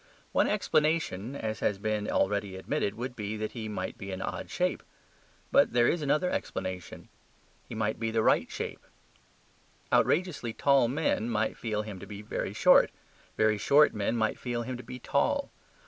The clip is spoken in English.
One explanation (as has been already admitted) would be that he might be an odd shape. But there is another explanation. He might be the right shape. Outrageously tall men might feel him to be short. Very short men might feel him to be tall.